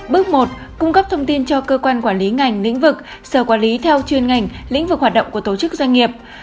bước một cung cấp thông tin cho cơ quan quản lý ngành lĩnh vực sở quản lý theo chuyên ngành lĩnh vực hoạt động của tổ chức doanh nghiệp